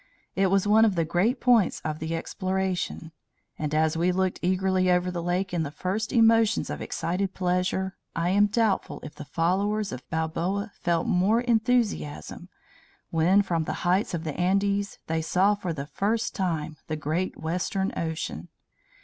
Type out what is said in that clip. It was one of the great points of the exploration; and as we looked eagerly over the lake in the first emotions of excited pleasure, I am doubtful if the followers of Balboa felt more enthusiasm when, from the heights of the Andes, they saw for the first time the great Western Ocean.